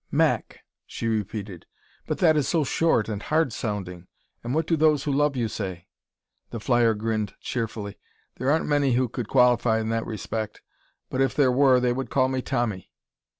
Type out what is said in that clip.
'" "Mac," she repeated. "But that is so short and hard sounding. And what do those who love you say?" The flyer grinned cheerfully. "There aren't many who could qualify in that respect, but if there were they would call me Tommy."